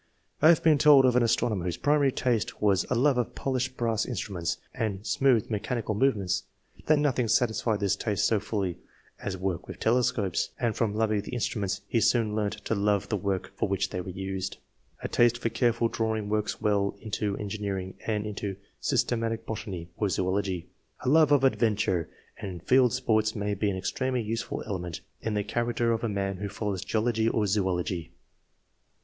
I have been told of an astronomer whose primary taste was a love of polished brass instruments and smooth mechanical movements, that nothing sat isfied this taste so fully as work with telescopes, and from loving the instruments he soon learnt to love the work for which they were used. A taste for careful drawing works well into en gineering and into systematic botany or zoology. A love of adventure and field sports may be an extremely useful element in the character of a man who follows geology or zoology.